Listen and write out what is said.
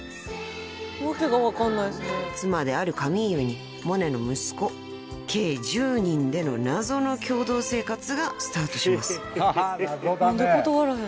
［妻であるカミーユにモネの息子計１０人での謎の共同生活がスタートします］